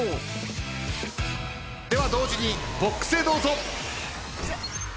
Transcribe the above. では同時にボックスへどうぞ。